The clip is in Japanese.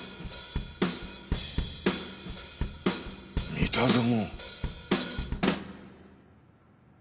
三田園。